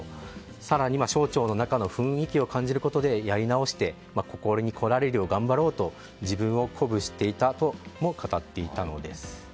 更には、省庁の中の雰囲気を感じることでやり直してここに来られるように頑張ろうと自分を鼓舞していたとも語っていたのです。